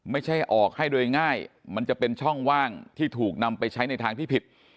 ไม่ใช่ออกให้โดยง่ายมันจะเป็นช่องว่างที่ถูกนำไปใช้ในทางที่ผิด